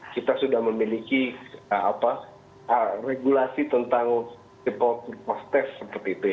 kita sudah memiliki regulasi tentang post test